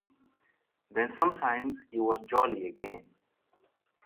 Then sometimes he was jolly again.